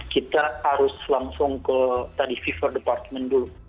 kita harus langsung ke tadi viver department dulu